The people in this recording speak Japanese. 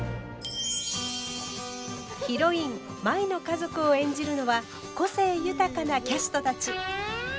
ヒロイン舞の家族を演じるのは個性豊かなキャストたち。